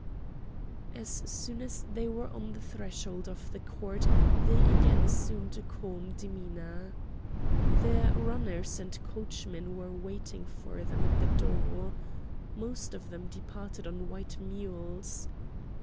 As soon as they were on the threshold of the court they again assumed a calm demeanour. Their runners and coachmen were waiting for them at the door. Most of them departed on white mules.